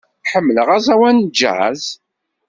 Ḥemmleɣ aẓawan n jazz.